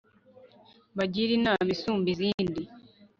mbagire inama isumba izindi